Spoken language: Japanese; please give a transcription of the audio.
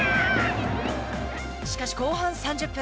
しかし後半３０分。